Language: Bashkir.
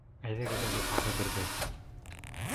Әйҙәгеҙ әле тағы берҙе!